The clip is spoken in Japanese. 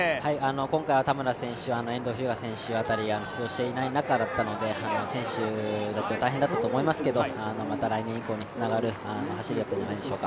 今回は田村選手、遠藤日向選手が出場していない中だったので選手たちも大変だったと思いますけどまた来年以降につながる走りだったんじゃないでしょうか。